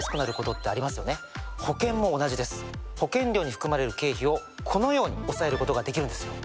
保険料に含まれる経費をこのように抑えることができるんですよ。